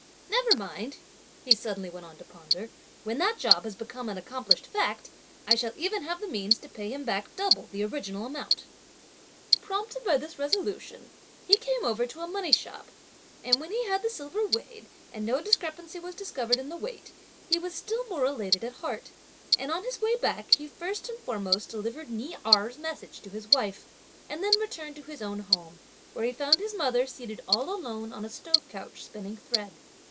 Never mind," he suddenly went on to ponder, "when that job has become an accomplished fact, I shall even have the means to pay him back double the original amount." Prompted by this resolution, he came over to a money shop, and when he had the silver weighed, and no discrepancy was discovered in the weight, he was still more elated at heart; and on his way back, he first and foremost delivered Ni Erh's message to his wife, and then returned to his own home, where he found his mother seated all alone on a stove couch spinning thread.